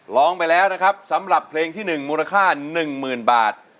ร้องไปแล้วนะครับสำหรับเพลงที่๑มูลค่า๑๐๐๐บาท